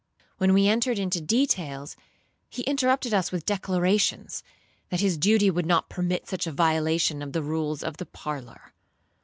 When we entered into details, he interrupted us with declarations, that his duty would not permit such a violation of the rules of the parlour.